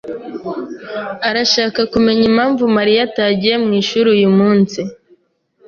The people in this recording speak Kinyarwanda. arashaka kumenya impamvu Mariya atagiye mwishuri uyu munsi.